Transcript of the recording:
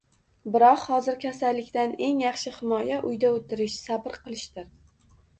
Biroq hozir kasallikdan eng yaxshi himoyauyda oʻtirish, sabr qilishdir